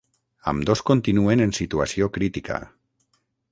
Ambdós continuen en situació crítica.